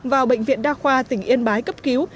vào bệnh viện đa khoa tỉnh yên bái cấp cứu